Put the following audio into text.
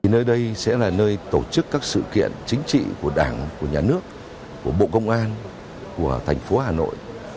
nơi đây sẽ là nơi tổ chức các sự kiện chính trị của đảng của nhà nước của bộ công an của thành phố hà nội